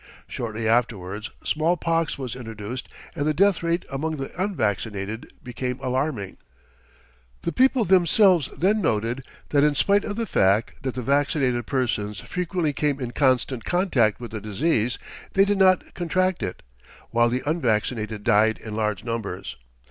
Shortly afterwards smallpox was introduced and the death rate among the unvaccinated became alarming; the people themselves then noted that in spite of the fact that the vaccinated persons frequently came in constant contact with the disease they did not contract it, while the unvaccinated died in large numbers.